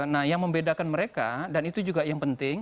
nah yang membedakan mereka dan itu juga yang penting